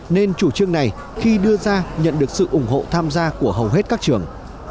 nên chủ trương này khi đưa ra nhận được sự ủng hộ tham gia của hầu hết các trường